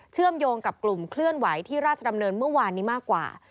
เชื่อมโยงกับกลุ่มเคลื่อนไหวที่ราชดำเนินเมื่อวานนี้มากกว่า